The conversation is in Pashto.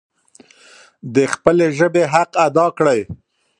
د خپلې ژبي حق ادا کړئ.